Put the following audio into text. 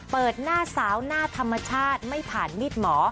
เปิดหน้าสาวหน้าธรรมชาติไม่ผ่านมีดหมอ